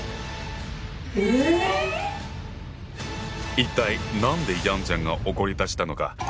一体何でヤンちゃんが怒りだしたのか？